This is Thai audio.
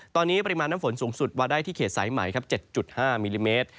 ตอนนี้ปริมาณน้ำฝนสูงสุดวาได้ที่เขตสายใหม่๗๕มิลลิเมตร